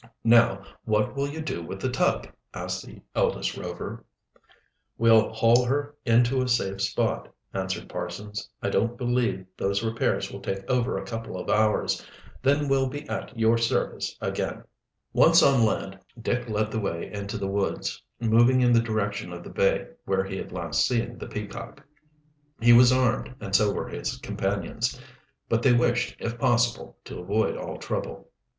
"Now what will you do with the tug?" asked the eldest Rover. "We'll haul her in to a safe spot," answered Parsons. "I don't believe those repairs will take over a couple of hours. Then we'll be at your service again." Once on land Dick led the way into the woods, moving in the direction of the bay where he had last seen the Peacock. He was armed, and so were his companions, but they wished, if possible, to avoid all trouble.